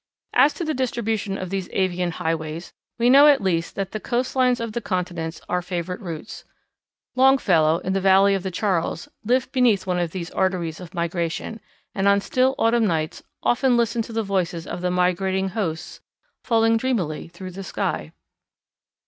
As to the distribution of these avian highways, we know at least that the coastlines of the continents are favourite routes. Longfellow, in the valley of the Charles, lived beneath one of these arteries of migration, and on still autumn nights often listened to the voices of the migrating hosts, "falling dreamily through the sky."